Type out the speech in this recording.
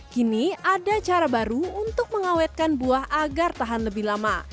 kini ada cara baru untuk mengawetkan buah agar tahan lebih lama